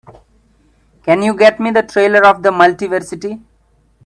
can you get me the trailer of The Multiversity?